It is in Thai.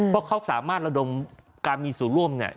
เพราะเขาสามารถระดมการมีส่วนร่วมเนี่ย